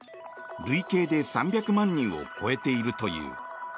累計で３００万人を超えているという。